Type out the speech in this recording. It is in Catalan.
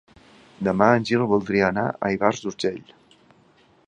Demà en Gil voldria anar a Ivars d'Urgell.